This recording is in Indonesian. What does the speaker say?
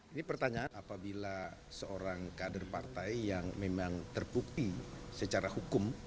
ini pertanyaan apabila seorang kader partai yang memang terbukti secara hukum